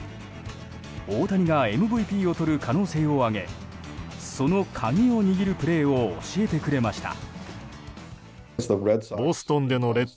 大谷がＭＶＰをとる可能性を挙げその鍵を握るプレーを教えてくれました。